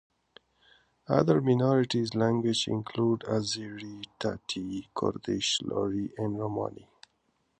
Other minorities languages include Azeri, Tati, Kurdish, Luri, and Romani.